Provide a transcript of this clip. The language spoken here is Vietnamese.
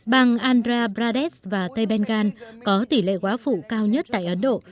bằng andhra pradesh và tây bengal có tỷ lệ quá phụ cao nhất tại ấn độ